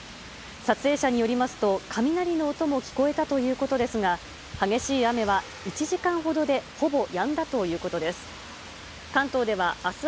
撮影者によりますと、雷の音も聞こえたということですが、激しい雨は１時間ほどでほぼやんだということです。